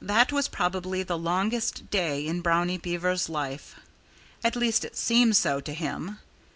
That was probably the longest day in Brownie Beaver's life. At least, it seemed so to him.